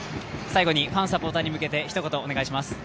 ファン、サポーターに向けてひと言お願いします。